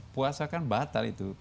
puasa kan batal itu